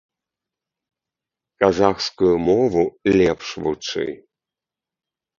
Казахскую мову лепш вучы.